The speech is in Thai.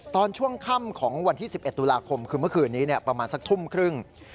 ตอนช่วงค่ำของวันที่๑๑ตุลาคมคือเมื่อคืนนี้ประมาณสักทุ่มครึ่ง